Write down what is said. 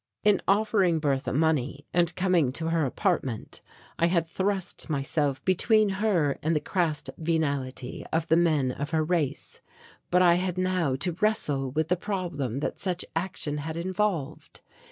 In offering Bertha money and coming to her apartment I had thrust myself between her and the crass venality of the men of her race, but I had now to wrestle with the problem that such action had involved.